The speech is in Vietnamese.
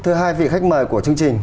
thưa hai vị khách mời của chương trình